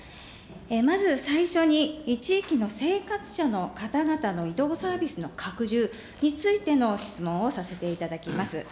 まず最初に、地域の生活者の方々の移動サービスの拡充についての質問をさせていただきます。